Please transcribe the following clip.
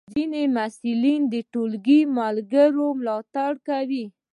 ځینې محصلین د ټولګی ملګرو ملاتړ کوي.